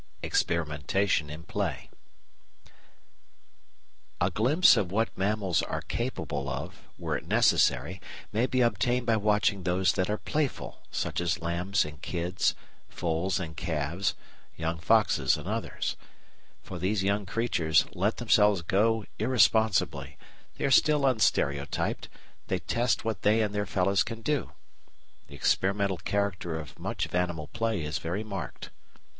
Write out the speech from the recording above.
Experimentation in Play A glimpse of what mammals are capable of, were it necessary, may be obtained by watching those that are playful, such as lambs and kids, foals and calves, young foxes and others. For these young creatures let themselves go irresponsibly, they are still unstereotyped, they test what they and their fellows can do. The experimental character of much of animal play is very marked.